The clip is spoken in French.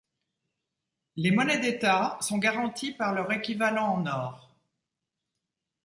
Les monnaies d'état sont garanties par leur équivalent en or.